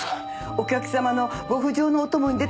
お客様のご不浄のお供に出たっきり